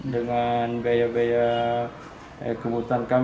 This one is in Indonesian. dengan biaya biaya kebutuhan kami di rumah sakit kebutuhannya akmal